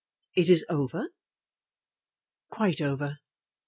"It is over?" "Quite over.